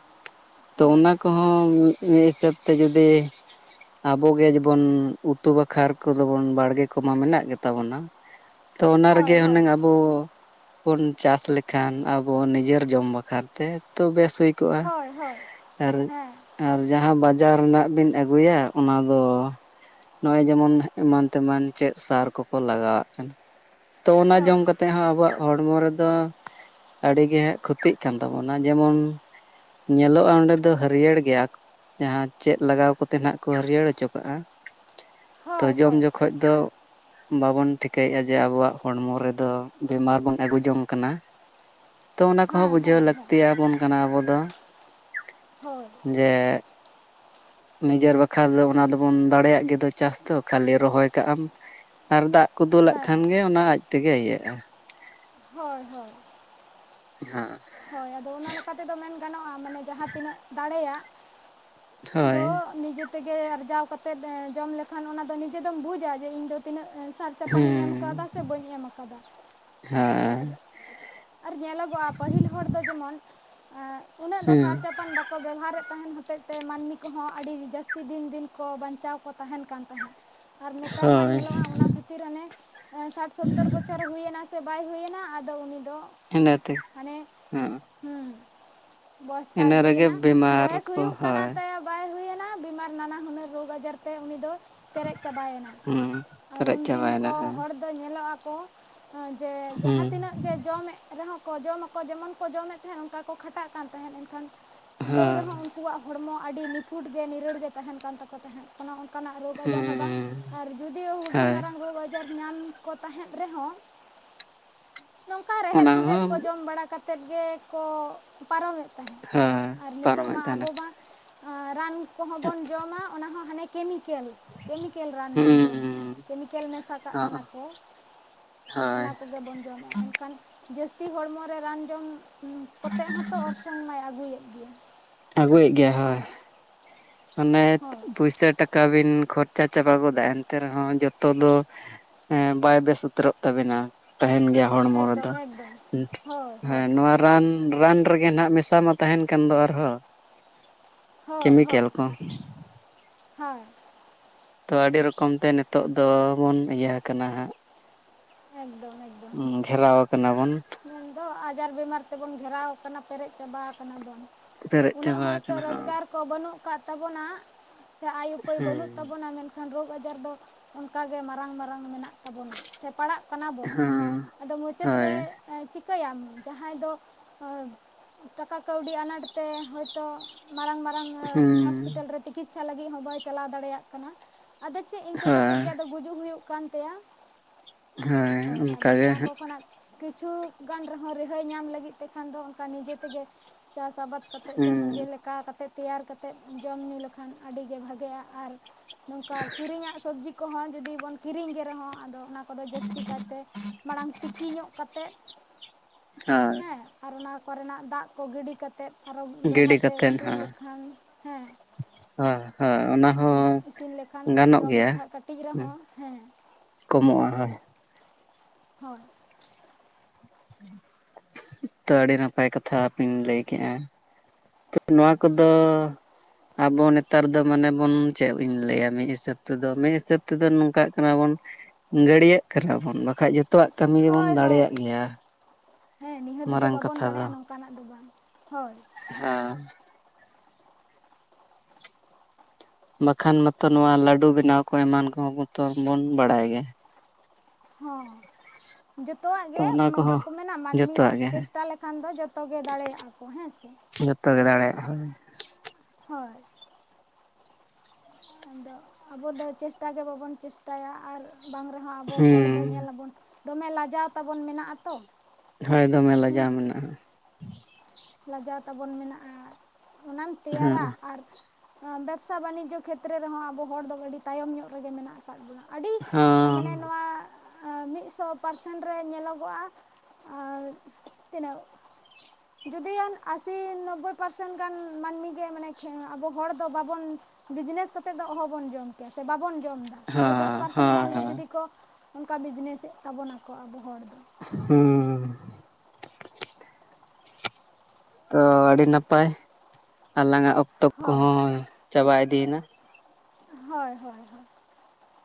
Speaker 2: (inaudible) ᱛᱚ
Speaker 1: ᱦᱳᱭ
Speaker 2: ᱚᱱᱟ ᱠᱚ ᱦᱚᱸ ᱢᱤᱫ ᱦᱤᱥᱟᱹᱵ ᱛᱮ ᱡᱩᱫᱤ ᱟᱵᱚ ᱜᱮ ᱡᱮ ᱵᱚᱱ ᱩᱛᱩ ᱵᱟᱠᱷᱟᱨ ᱠᱚ ᱫᱚ ᱵᱚᱱ ᱵᱟᱲᱜᱮ ᱠᱚᱢᱟ ᱢᱮᱱᱟᱜ ᱜᱮ ᱛᱟᱵᱚᱱᱟ᱾
Speaker 1: (inaudible)
Speaker 2: ᱛᱚ ᱚᱱᱟ
Speaker 1: ᱦᱳᱭ
Speaker 2: ᱨᱮᱜᱮ
Speaker 1: ᱦᱳᱭ
Speaker 2: ᱦᱩᱱᱟᱹᱝ ᱟᱵᱚ ᱵᱚᱱ ᱪᱟᱥ ᱞᱮᱠᱷᱟᱱ ᱟᱵᱚ ᱱᱤᱡᱮᱨ ᱡᱚᱢ ᱵᱟᱠ ᱠᱷᱟᱛᱮ ᱛᱚ ᱵᱮᱥ ᱦᱩᱭ ᱠᱚᱜ-ᱟ
Speaker 1: ᱦᱳᱭ ᱦᱳᱭ
Speaker 2: ᱟᱨ
Speaker 1: ᱦᱮᱸ
Speaker 2: ᱟᱨ ᱡᱟᱦᱟᱸ ᱵᱟᱡᱟᱨ ᱨᱮᱱᱟᱜ ᱵᱤᱱ ᱟᱹᱜᱩᱭᱟ ᱚᱱᱟ ᱫᱚ ᱱᱚᱸᱜ-ᱚᱭ ᱡᱮᱢᱚᱱ ᱮᱢᱟᱱ ᱛᱮᱢᱟᱱ ᱪᱮᱫ ᱥᱟᱨ ᱠᱚ ᱠᱚ ᱞᱟᱜᱟᱣᱟᱜ ᱠᱟᱱᱟ᱾ ᱛᱚ ᱚᱱᱟ
Speaker 1: ᱦᱳᱭ
Speaker 2: ᱡᱚᱢ ᱠᱟᱛᱮᱜ ᱦᱚᱸ ᱟᱵᱚᱣᱟᱜ ᱦᱚᱲᱢᱚ ᱨᱮ ᱫᱚ ᱟᱹᱰᱤ ᱜᱮ ᱦᱟᱸᱜ ᱠᱷᱚᱛᱤᱜ ᱠᱟᱱ ᱛᱟᱵᱚᱱᱟ ᱡᱮᱢᱚᱱ ᱧᱮᱞᱚᱜ-ᱟ ᱚᱸᱰᱮ ᱫᱚ ᱦᱟᱹᱨᱭᱟᱹᱲ ᱜᱮᱭᱟ ᱡᱟᱦᱟᱸ ᱪᱮᱫ ᱞᱟᱜᱟᱣ ᱠᱚᱛᱮ ᱱᱟᱸᱜ ᱠᱚ ᱦᱟᱹᱨᱭᱟᱹᱲ ᱦᱚᱪᱚ ᱠᱟᱜ-ᱟ ᱛᱚ
Speaker 1: ᱦᱳᱭ
Speaker 2: ᱡᱚᱢ
Speaker 1: ᱦᱳᱭ
Speaker 2: ᱡᱚ ᱠᱷᱚᱡ ᱫᱚ ᱵᱟᱵᱚᱱ ᱴᱷᱤᱠᱟᱹᱭᱮᱜ-ᱟ ᱡᱮ ᱟᱵᱚᱣᱟᱜ ᱦᱚᱲᱢᱚ ᱨᱮ ᱫᱚ ᱵᱤᱢᱟᱨ ᱵᱚᱱ ᱟᱹᱜᱩ ᱡᱚᱝ ᱠᱟᱱᱟ᱾ ᱛᱚ ᱚᱱᱟ ᱠᱚᱦᱚᱸ
Speaker 1: ᱦᱮᱸ
Speaker 2: ᱵᱩᱡᱷᱟᱹᱣ
Speaker 1: ᱦᱮᱸ ᱦᱮᱸ
Speaker 2: ᱞᱟᱹᱠᱛᱤᱭᱟᱵᱚᱱ ᱠᱟᱱᱟ ᱟᱵᱚ ᱫᱚ᱾
Speaker 1: ᱦᱳᱭ᱾
Speaker 2: ᱡᱮ ᱱᱤᱡᱮᱨ ᱵᱟᱠᱷᱨᱟ ᱫᱚ ᱚᱱᱟ ᱫᱚᱵᱚᱱ ᱫᱟᱲᱮᱭᱟᱜ ᱜᱮᱫᱚ ᱪᱟᱥ ᱫᱚ ᱠᱷᱟᱹᱞᱤ ᱨᱚᱦᱚᱭ ᱠᱟᱜ ᱟᱢ, ᱟᱨ ᱫᱟᱜ ᱠᱚ ᱫᱩᱞᱟᱜ
Speaker 1: ᱦᱮᱸ
Speaker 2: ᱠᱷᱟᱱ ᱜᱮ ᱚᱱᱟ ᱟᱡ ᱛᱮᱜᱮ ᱤᱭᱟᱹᱜᱼᱟ᱾
Speaker 1: ᱦᱳᱭ ᱦᱳᱭ᱾
Speaker 2: ᱦᱮᱸ᱾
Speaker 1: ᱦᱳᱭ ᱟᱫᱚ ᱚᱱᱟ ᱞᱮᱠᱟ ᱛᱮᱫᱚ ᱢᱮᱱ ᱜᱟᱱᱚᱜᱼᱟ ᱢᱟᱱᱮ ᱡᱟᱦᱟᱸ ᱛᱤᱱᱟᱹᱜ ᱫᱟᱲᱮᱭᱟᱜ ᱫᱚ
Speaker 2: ᱦᱳᱭ
Speaker 1: ᱱᱤᱡᱮ ᱛᱮᱜᱮ ᱟᱨᱡᱟᱣ ᱠᱟᱛᱮᱜ ᱡᱚᱢ ᱞᱮᱠᱷᱟᱱ ᱚᱱᱟ ᱫᱚ ᱱᱤᱡᱮ ᱫᱚᱢ ᱵᱩᱡᱟ ᱡᱮ ᱤᱧ ᱫᱚ ᱛᱤᱱᱟᱹᱜ ᱥᱟᱨ ᱪᱟᱯᱟᱱᱤᱧ
Speaker 2: ᱦᱩᱸ
Speaker 1: ᱮᱢ ᱠᱟᱫᱟ ᱥᱮ ᱵᱟᱹᱧ ᱮᱢ ᱠᱟᱣᱫᱟ
Speaker 2: ᱦᱮᱸ
Speaker 1: ᱟᱨ ᱟᱨ ᱧᱮᱞᱚᱜᱚᱜᱼᱟ ᱯᱟᱹᱦᱤᱞ ᱦᱚᱲ ᱫᱚ ᱡᱮᱢᱚᱱ ᱮᱸᱜ ᱩᱱᱟᱹᱜ ᱫᱚ
Speaker 2: ᱦᱩᱸ
Speaker 1: ᱥᱟᱨ ᱪᱟᱯᱟᱱ ᱠᱚ ᱵᱮᱵᱚᱦᱟᱨᱮᱫ ᱛᱟᱦᱮᱸᱱ ᱦᱚᱛᱮᱡ ᱛᱮ ᱢᱟᱹᱱᱢᱤ ᱠᱚᱦᱚᱸ ᱟᱹᱰᱤ ᱡᱟᱹᱥᱛᱤ ᱫᱤᱱ ᱫᱤᱱ ᱠᱚ ᱵᱟᱧᱪᱟᱣ ᱠᱚ ᱛᱟᱦᱮᱸᱱ ᱠᱟᱱ ᱛᱟᱦᱮᱸᱫ᱾ ᱟᱨ ᱱᱮᱛᱟᱨ ᱢᱟ
Speaker 2: ᱦᱳᱭ
Speaker 1: ᱧᱮᱞᱚᱜᱼᱟ ᱚᱱᱟ ᱠᱷᱟᱹᱛᱤᱨ ᱦᱟᱱᱮ ᱥᱟᱴ ᱥᱳᱛᱛᱚᱨ ᱵᱚᱪᱷᱚᱨ ᱦᱩᱭ ᱮᱱᱟ ᱥᱮ ᱵᱟᱭ ᱦᱩᱭᱮᱱᱟ ᱟᱫᱚ ᱩᱱᱤ ᱫᱚ
Speaker 2: ᱮᱱᱟᱹᱛᱮ
Speaker 1: ᱦᱟᱱᱮ
Speaker 2: ᱦᱮᱸᱜ ᱚ᱾
Speaker 1: ᱦᱩᱸ ᱵᱚᱭᱚᱥ ᱛᱟᱭ
Speaker 2: ᱨᱮᱜᱮ
Speaker 1: ᱦᱩᱭᱮᱱᱟ
Speaker 2: ᱵᱤᱢᱟᱨ
Speaker 1: ᱵᱚᱭᱮᱥ
Speaker 2: ᱠᱚ
Speaker 1: ᱦᱩᱭᱩᱜ ᱠᱟᱱᱟ
Speaker 2: ᱦᱳᱭ
Speaker 1: ᱛᱟᱭᱟ ᱵᱟᱭ ᱦᱩᱭᱱᱟ ᱵᱤᱢᱟᱨ ᱱᱟᱱᱟ ᱦᱩᱱᱟᱹᱨ ᱨᱳᱜᱽ ᱟᱡᱟᱨ ᱛᱮ ᱩᱱᱤ ᱫᱚ ᱯᱮᱨᱮᱡ ᱪᱟᱵᱟᱭᱮᱱᱟ
Speaker 2: ᱦᱩᱸ
Speaker 1: ᱟᱨ
Speaker 2: ᱯᱮᱨᱮᱡ
Speaker 1: ᱩᱱᱫᱤᱱ
Speaker 2: ᱪᱟᱵᱟᱭᱮᱱᱟ
Speaker 1: ᱠᱚ
Speaker 2: ᱦᱮᱸ
Speaker 1: ᱦᱚᱲ ᱫᱚ ᱧᱮᱞᱚᱜᱼᱟ ᱠᱚ ᱡᱮ ᱡᱟᱦᱟᱸ
Speaker 2: ᱦᱩᱸ
Speaker 1: ᱛᱤᱱᱟᱹᱜ ᱜᱮ ᱡᱚᱢᱮᱫ ᱨᱮᱦᱚᱸ ᱠᱚ ᱡᱚᱢ ᱠᱚ ᱡᱮᱢᱚᱱ ᱠᱚ ᱡᱚᱢᱮᱫ ᱛᱟᱦᱮᱸᱫ ᱚᱱᱠᱟ ᱠᱚ ᱠᱷᱟᱴᱟᱜ ᱠᱟᱱ ᱛᱟᱦᱮᱸᱫ ᱮᱱᱠᱷᱟᱱᱤ ᱛᱟᱹᱣ
Speaker 2: ᱦᱳᱭ
Speaker 1: ᱨᱮᱦᱚᱸ ᱩᱱᱠᱩᱣᱟᱜ ᱦᱚᱲᱢᱚ ᱟᱹᱰᱤ ᱱᱤᱯᱷᱩᱴ ᱜᱮ ᱱᱤᱨᱟᱹᱲ ᱜᱮ ᱛᱟᱦᱮᱸᱱ ᱠᱟᱱ ᱛᱟᱠᱚ ᱛᱟᱦᱮᱸᱫ᱾ ᱚᱱᱮ ᱚᱱᱠᱟ ᱱᱟᱜ ᱨᱳᱜᱽ ᱟᱡᱟᱨ ᱦᱚᱸ ᱵᱟᱝ
Speaker 2: ᱦᱩᱸ
Speaker 1: ᱟᱨ ᱡᱩᱫᱤᱳ ᱦᱩᱰᱤᱧ
Speaker 2: ᱦᱳᱭ
Speaker 1: ᱢᱟᱨᱟᱝ ᱨᱳᱜᱽ ᱡᱟᱨ ᱧᱟᱢ ᱠᱚ ᱛᱟᱦᱮᱸᱫ ᱨᱮᱦᱚᱸ ᱱᱚᱝᱠᱟ ᱨᱮᱦᱮᱫ
Speaker 2: ᱚᱱᱟ
Speaker 1: ᱥᱮᱸᱫᱦᱮᱫ
Speaker 2: ᱦᱚᱸ
Speaker 1: ᱠᱚ ᱡᱚᱢ ᱵᱟᱲᱟ ᱠᱟᱛᱮᱫ ᱜᱮᱠᱚ ᱯᱟᱨᱚᱢᱮᱫ ᱛᱟᱦᱮᱸᱫ
Speaker 2: ᱦᱳᱭ
Speaker 1: ᱟᱨ ᱱᱤᱛᱚᱜ
Speaker 2: ᱯᱟᱨᱚᱢᱮᱫ
Speaker 1: ᱢᱟ
Speaker 2: ᱛᱟᱦᱮᱱᱟ
Speaker 1: ᱟᱵᱚ ᱢᱟ ᱨᱟᱱ ᱠᱚᱦᱚᱸ ᱵᱚᱱ ᱡᱚᱢᱟ ᱚᱱᱟ ᱦᱚᱸ ᱦᱟᱱᱮ ᱠᱮᱢᱤᱠᱮᱞ, ᱠᱮᱢᱤᱠᱮᱞ ᱨᱟᱱ ᱵᱚᱱ ᱡᱚᱢᱟ
Speaker 2: ᱦᱩᱸ
Speaker 1: ᱠᱮᱢᱤᱠᱮᱞ ᱢᱮᱥᱟ ᱠᱟᱜ
Speaker 2: ᱦᱚᱸ
Speaker 1: ᱠᱟᱱᱟ ᱠᱚ,
Speaker 2: ᱦᱳᱭ
Speaker 1: ᱚᱱᱟ ᱠᱚᱜᱮ ᱵᱚᱱ ᱡᱚᱢᱟ ᱮᱱᱠᱷᱟᱱ ᱡᱟᱹᱥᱛᱤ ᱦᱚᱲᱢᱚᱨᱮ ᱨᱟᱱ ᱡᱚᱢ ᱠᱚᱛᱮᱜ ᱦᱚᱸᱛᱚ ᱚᱨᱥᱚᱝ ᱢᱟᱭ ᱟᱹᱜᱩᱭᱮᱫ ᱜᱮᱭᱟ᱾
Speaker 2: ᱟᱹᱜᱩᱭᱮᱫ ᱜᱮᱭᱟᱭ ᱦᱳᱭ᱾ ᱟᱱᱮ
Speaker 1: ᱦᱳᱭ
Speaker 2: ᱯᱩᱭᱥᱟᱹ ᱴᱟᱠᱟ ᱵᱤᱱ ᱠᱷᱚᱨᱪᱟ ᱪᱟᱵᱟ ᱜᱚᱫᱟ ᱮᱱᱛᱮ ᱨᱮᱦᱚᱸ ᱡᱚᱛᱚ ᱫᱚ ᱦᱮᱸ ᱵᱟᱭ ᱵᱮᱥ ᱩᱛᱟᱹᱨᱚᱜ ᱛᱟᱵᱤᱱᱟ, ᱛᱟᱦᱮᱸᱱ ᱜᱮᱭᱟ ᱦᱚᱲᱢᱚ
Speaker 1: ᱮᱠᱫᱚᱢ
Speaker 2: ᱨᱮᱫᱚ
Speaker 1: ᱮᱠᱫᱚᱢ ᱦᱳᱭ ᱦᱳᱭ
Speaker 2: ᱦᱮᱸ ᱱᱚᱣᱟ ᱨᱟᱱ ᱨᱟᱱ ᱨᱮᱜᱮ ᱱᱟᱦᱟᱸᱜ ᱢᱮᱥᱟ ᱢᱟ ᱛᱟᱦᱮᱸᱱ ᱠᱟᱱ ᱫᱚ ᱟᱨᱦᱚᱸ᱾
Speaker 1: ᱦᱳᱭ ᱦᱳᱭ
Speaker 2: ᱠᱮᱢᱤᱠᱮᱞ ᱠᱚ
Speaker 1: ᱦᱳᱭ᱾
Speaker 2: ᱛᱚ ᱟᱹᱰᱤ ᱨᱚᱠᱚᱢ ᱛᱮ ᱱᱤᱛᱚᱜ ᱫᱚᱵᱚᱱ ᱤᱭᱟᱹ ᱦᱟᱠᱟᱱᱟ ᱦᱟᱸᱜ᱾
Speaker 1: ᱮᱠᱫᱚᱢ᱾ ᱮᱠᱫᱚᱢ
Speaker 2: ᱩᱸ ᱜᱷᱮᱨᱟᱣ ᱠᱟᱱᱟ ᱵᱚᱱ᱾
Speaker 1: ᱢᱮᱱᱫᱚ ᱟᱡᱟᱨ ᱵᱮᱢᱟᱨ ᱛᱮᱵᱚᱱ ᱜᱷᱮᱨᱟᱣ ᱠᱟᱱᱟ ᱯᱮᱨᱮᱡ ᱪᱟᱵᱟ ᱠᱟᱱᱟ ᱵᱚᱱ᱾
Speaker 2: ᱯᱮᱨᱮᱡ
Speaker 1: ᱩᱱᱟᱹᱜ
Speaker 2: ᱪᱟᱵᱟ
Speaker 1: ᱦᱳᱭᱛᱳ
Speaker 2: ᱟᱠᱟᱱᱟ ᱦᱟᱸᱜ᱾
Speaker 1: ᱨᱚᱡᱽᱜᱟᱨ ᱠᱚ ᱵᱟᱹᱱᱩᱜ ᱟᱠᱟᱫ ᱛᱟᱵᱚᱱᱟ ᱥᱮ ᱟᱭ ᱩᱯᱟᱹᱭ ᱵᱟᱹᱱᱩᱜ
Speaker 2: ᱦᱮᱸ
Speaker 1: ᱛᱟᱵᱚᱱᱟ ᱢᱮᱱ ᱠᱷᱟᱱ ᱨᱳᱜᱽ ᱟᱡᱟᱨ ᱫᱚ ᱚᱱᱠᱟ ᱜᱮ ᱢᱟᱨᱟᱝ ᱢᱟᱨᱟᱝ ᱢᱮᱱᱟᱜ ᱛᱟᱵᱚᱱᱟ᱾ ᱥᱮ ᱯᱟᱲᱟᱜ ᱠᱟᱱᱟ ᱵᱚᱱ
Speaker 2: ᱦᱮᱸ
Speaker 1: ᱟᱫᱚ ᱢᱩᱪᱟᱹᱫ ᱨᱮ
Speaker 2: ᱦᱳᱭ
Speaker 1: ᱮᱸ ᱪᱤᱠᱟᱹᱭᱟᱢ ᱡᱟᱦᱟᱸᱭ ᱫᱚ ᱮ ᱴᱟᱠᱟ ᱠᱟᱹᱣᱰᱤ ᱟᱱᱟᱴ ᱛᱮ ᱦᱳᱭᱛᱚ ᱢᱟᱨᱟᱝ ᱢᱟᱨᱟᱝ ᱮ
Speaker 2: ᱦᱮᱸ
Speaker 1: ᱦᱚᱥᱯᱤᱴᱟᱞ ᱨᱮ ᱛᱤᱠᱤᱛᱥᱟ ᱞᱟᱹᱜᱤᱫ ᱦᱚᱸ ᱵᱟᱭ ᱪᱟᱞᱟᱣ ᱫᱟᱲᱮᱭᱟᱜ ᱠᱟᱱᱟ ᱟᱫᱚ ᱪᱮᱫ ᱤᱱᱠᱟᱹ ᱠᱟᱛᱮᱫ
Speaker 2: ᱦᱳᱭ
Speaker 1: ᱜᱮ ᱟᱫᱚ ᱜᱩᱡᱩᱜ ᱦᱩᱭᱩᱜ ᱠᱟᱱ ᱛᱟᱭᱟ᱾
Speaker 2: ᱦᱳᱭ
Speaker 1: ᱟᱫᱚ
Speaker 2: ᱚᱱᱠᱟᱜᱮ
Speaker 1: ᱱᱚᱣᱟ
Speaker 2: ᱦᱟᱸᱜ᱾
Speaker 1: ᱠᱚ ᱠᱷᱚᱱᱟᱜ ᱠᱤᱪᱷᱩ ᱜᱟᱱ ᱨᱮᱦᱚᱸ ᱨᱤᱦᱟᱹᱭ ᱧᱟᱢ ᱞᱟᱹᱜᱤᱫ ᱛᱮᱠᱷᱟᱱ ᱫᱚ ᱚᱱᱠᱟ ᱱᱤᱡᱮ ᱛᱮᱜᱮ ᱪᱟᱥ ᱟᱵᱟᱫ ᱠᱟᱛᱮᱫ ᱥᱮ
Speaker 2: ᱦᱮᱸ
Speaker 1: ᱱᱤᱡᱮ ᱞᱮᱠᱟ ᱠᱟ ᱛᱮ ᱛᱮᱭᱟᱨ ᱠᱟᱛᱮᱫ ᱡᱚᱢ ᱧᱩ ᱞᱮᱠᱷᱟᱱ ᱟᱹᱰᱤ ᱜᱮ ᱵᱷᱟᱜᱮᱜᱼᱟ ᱟᱨ ᱱᱚᱝᱠᱟ ᱠᱤᱨᱤᱧᱟᱜ ᱥᱚᱵᱡᱤ ᱠᱚᱦᱚᱸ ᱡᱩᱫᱤ ᱵᱚᱱ ᱠᱤᱨᱤᱧ ᱜᱮ ᱨᱮᱦᱚᱸ ᱟᱫᱚ ᱚᱱᱟ ᱠᱚᱫᱚ ᱡᱟᱹᱥᱛᱤ ᱠᱟᱭ ᱛᱮ ᱢᱟᱲᱟᱝ ᱛᱤᱠᱤ ᱧᱚᱜ ᱠᱟᱛᱮᱜ,
Speaker 2: ᱦᱳᱭ
Speaker 1: ᱦᱮᱸ ᱟᱨ ᱚᱱᱟ ᱠᱚᱨᱮᱱᱟᱜ ᱫᱟᱜ ᱠᱚ ᱜᱤᱰᱤ ᱠᱟᱛᱮᱫ ᱟᱨᱚ ᱫᱚᱲᱦᱟ
Speaker 2: ᱜᱤᱰᱤ
Speaker 1: ᱛᱮ
Speaker 2: ᱠᱟᱛᱮᱫ
Speaker 1: ᱩᱛᱩ ᱞᱮᱠᱷᱟᱱ ᱦᱮᱸ
Speaker 2: ᱦᱚ ᱦᱚ ᱚᱱᱟ ᱦᱚᱸ
Speaker 1: ᱤᱥᱤᱱ ᱞᱮᱠᱷᱟᱱ
Speaker 2: ᱜᱟᱱᱚᱜ
Speaker 1: ᱡᱚᱢ
Speaker 2: ᱜᱮᱭᱟ
Speaker 1: ᱞᱮᱠᱷᱟᱱ ᱠᱟᱹᱴᱤᱡ
Speaker 2: ᱩ
Speaker 1: ᱨᱮᱦᱚᱸ ᱦᱮᱸ
Speaker 2: ᱠᱚᱢᱚᱜᱼᱟ ᱦᱳᱭ᱾
Speaker 1: ᱦᱳᱭ
Speaker 2: ᱛᱚ ᱟᱹᱰᱤ ᱱᱟᱯᱟᱭ ᱠᱟᱛᱷᱟ ᱯᱤᱱ ᱞᱟᱹᱭ ᱠᱮᱜᱼᱟ᱾ (inaudible) ᱱᱚᱣᱟ ᱠᱚᱫᱚ ᱟᱵᱚ ᱱᱮᱛᱟᱨ ᱫᱚ ᱢᱟᱱᱮ ᱵᱚᱱ ᱪᱮᱫ ᱤᱧ ᱞᱮᱭᱟ ᱢᱤᱫ ᱦᱤᱥᱟᱹᱵ ᱛᱮᱫᱚ ᱢᱤᱫ ᱦᱤᱥᱟᱹᱵ ᱛᱮᱫᱚ ᱱᱚᱝᱠᱟᱜ ᱠᱟᱱᱟ ᱵᱚᱱ ᱜᱟᱹᱟᱹᱲᱭᱟᱹᱜ ᱠᱟᱱᱟ ᱵᱚᱱ ᱵᱟᱠᱷᱟᱡ ᱡᱷᱚ ᱛᱚᱣᱟᱜ ᱠᱟᱹᱢᱤ ᱜᱮᱵᱚᱱ
Speaker 1: ᱦᱳᱭ
Speaker 2: ᱫᱟᱲᱮᱭᱟᱜ
Speaker 1: ᱦᱳᱭ
Speaker 2: ᱜᱮᱭᱟ, ᱢᱟᱨᱟᱝ ᱠᱟᱛᱷᱟ ᱫᱚ᱾
Speaker 1: ᱠᱟᱱᱟᱜ ᱫᱚ ᱵᱟᱝ ᱦᱳᱭ
Speaker 2: ᱦᱮᱸ᱾ ᱵᱟᱠᱷᱟᱱ ᱢᱟᱛᱚ ᱱᱚᱣᱟ ᱞᱟᱹᱰᱩ ᱵᱮᱱᱟᱣ ᱠᱚ ᱮᱢᱟᱱ ᱠᱚᱦᱚᱸ ᱛᱚ ᱵᱚᱱ ᱵᱟᱲᱟᱭ ᱜᱮᱭᱟ᱾
Speaker 1: ᱦᱚᱸ᱾ ᱡᱚᱛᱚᱣᱟᱜ
Speaker 2: ᱛᱚ
Speaker 1: ᱜᱮ
Speaker 2: ᱚᱱᱟ
Speaker 1: ᱢᱟ
Speaker 2: ᱠᱚᱦᱚᱸ
Speaker 1: ᱵᱟᱠᱚ ᱢᱮᱱᱟ ᱢᱟᱹᱱᱢᱤ
Speaker 2: ᱡᱚᱛᱚᱣᱟᱜ ᱜᱮ
Speaker 1: ᱪᱮᱥᱴᱟ ᱞᱮᱠᱷᱟᱱ ᱫᱚ ᱡᱚᱛᱚ ᱜᱮ ᱫᱟᱲᱮᱭᱟᱜᱼᱟ ᱠᱚ ᱦᱮᱸ ᱥᱮ
Speaker 2: ᱡᱷᱚᱛᱚ ᱜᱮ ᱫᱟᱲᱮᱭᱟᱜ ᱦᱳᱭ᱾
Speaker 1: ᱦᱳᱭ᱾ ᱟᱫᱚ ᱟᱵᱚ ᱫᱚ ᱪᱮᱥᱴᱟ ᱜᱮ ᱵᱟᱵᱚᱱ ᱪᱮᱥᱴᱟᱭᱟ ᱟᱨ ᱵᱟᱝ ᱨᱮ ᱦᱚᱸ ᱟᱵᱚ ᱦᱚᱲ
Speaker 2: ᱦᱩᱸ
Speaker 1: ᱫᱚ ᱧᱮᱞᱟᱵᱚᱱ ᱫᱚᱢᱮ ᱞᱟᱡᱟᱣ ᱛᱟᱵᱚᱱ ᱢᱮᱱᱟᱜ-ᱟ ᱛᱚ᱾
Speaker 2: ᱦᱳᱭ ᱫᱚᱢᱮ ᱞᱟᱡᱟᱣ
Speaker 1: ᱦᱮᱸ
Speaker 2: ᱢᱮᱱᱟᱜᱼᱟ᱾
Speaker 1: ᱞᱟᱡᱟᱣ ᱛᱟᱵᱚᱱ ᱢᱮᱱᱟᱜᱼᱟ, ᱚᱱᱟᱢ
Speaker 2: ᱦᱮᱸ
Speaker 1: ᱛᱮᱭᱟᱨᱟ ᱟᱨ ᱱᱚᱣᱟ ᱵᱮᱵᱽᱥᱟ ᱵᱟᱱᱤᱡᱡᱚ ᱠᱷᱮᱛᱨᱮ ᱨᱮᱦᱚᱸ ᱟᱵᱚ ᱦᱚᱲ ᱫᱚ ᱟᱹᱰᱤ ᱛᱟᱭᱚᱢ ᱧᱚᱜ ᱨᱮᱜᱮ ᱢᱮᱱᱟᱜ-ᱟ᱾ ᱠᱟᱫ ᱵᱚᱱᱟ ᱟᱹᱰᱤ
Speaker 2: ᱦᱚᱸ
Speaker 1: ᱢᱟᱱᱮ ᱱᱚᱣᱟ ᱟ ᱢᱤᱫᱥᱚ ᱯᱟᱨᱥᱮᱱ ᱨᱮ ᱧᱮᱞᱚᱜᱚᱜᱼᱟ ᱟ, ᱛᱤᱱᱟᱹᱜ ᱡᱫᱤᱭᱟᱱ ᱟᱥᱤ ᱱᱳᱵᱵᱳᱭ ᱯᱟᱨᱥᱮᱱ ᱜᱟᱱ ᱢᱟᱹᱱᱢᱤ ᱜᱮ ᱢᱟᱱᱮ ᱠᱷᱮ ᱟᱵᱚ ᱦᱚᱲ ᱫᱚ ᱵᱟᱵᱚᱱ ᱵᱤᱡᱽᱱᱮᱥ ᱠᱟᱛᱮᱜ ᱫᱚ ᱦᱚᱦᱚᱵᱚᱱ ᱡᱚᱢ ᱠᱮᱭᱟ ᱥᱮ ᱵᱟᱵᱚᱱ ᱡᱚᱢ ᱫᱟ᱾ ᱳᱭ ᱫᱚᱥ
Speaker 2: ᱦᱚᱸ ᱦᱚᱸ
Speaker 1: ᱯᱟᱨᱥᱮᱱ ᱜᱟᱱ ᱜᱮ
Speaker 2: ᱦᱚᱸ
Speaker 1: ᱡᱩᱫᱤ ᱠᱚ ᱚᱱᱠᱟ ᱵᱤᱡᱽᱱᱮᱥᱮᱜ ᱛᱟᱵᱚᱱᱟᱠᱚ ᱟᱵᱚ ᱦᱚᱲ ᱫᱚ᱾
Speaker 2: ᱦᱩᱸ ᱛᱚ ᱟᱹᱰᱤ ᱱᱟᱯᱟᱭ, ᱟᱞᱟᱝᱼᱟᱜ ᱚᱠᱛᱚ
Speaker 1: ᱦᱳᱭ
Speaker 2: ᱠᱚᱦᱚᱸ ᱪᱟᱵᱟ ᱤᱫᱤᱭᱮᱱᱟ᱾
Speaker 1: ᱦᱳᱭ ᱦᱳᱭ ᱦᱳᱭ᱾